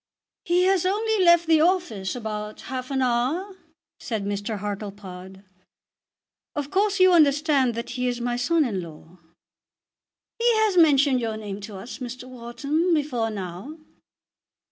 "He has only left the office about half an hour," said Mr. Hartlepod. "Of course you understand that he is my son in law." "He has mentioned your name to us, Mr. Wharton, before now."